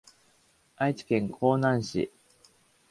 愛知県江南市